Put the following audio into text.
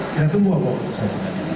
kita tunggu apa keputusan kekuatan ini